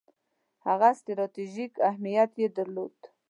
هغه ستراتیژیک اهمیت یې درلود.